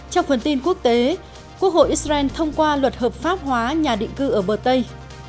trong phần tin quốc tế quốc hội israel thông qua luật hợp pháp hóa nhà định cư ở bờ tây